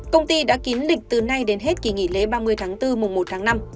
công ty đã kín lịch từ nay đến hết kỳ nghỉ lễ ba mươi tháng bốn mùa một tháng năm